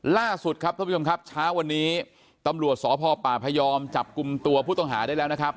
ล่าสุดครับท่านผู้ชมครับเช้าวันนี้ตำรวจสพปพยอมจับกลุ่มตัวผู้ต้องหาได้แล้วนะครับ